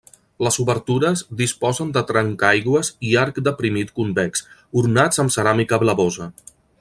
Les obertures disposen de trencaaigües i arc deprimit convex, ornats amb ceràmica blavosa.